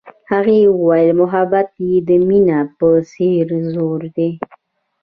هغې وویل محبت یې د مینه په څېر ژور دی.